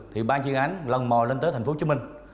thì ban chuyên án lần mò lên tới thành phố hồ chí minh